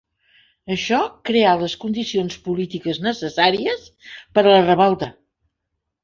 Això creà les condicions polítiques necessàries per a la revolta.